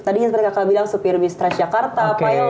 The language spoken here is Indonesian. tadi seperti kakak bilang supir bistres jakarta pilot